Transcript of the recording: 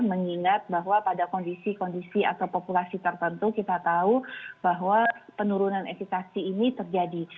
mengingat bahwa pada kondisi kondisi atau populasi tertentu kita tahu bahwa penurunan efekasi ini terjadi